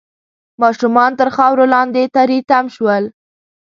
ماشومان تر خاورو لاندې تري تم شول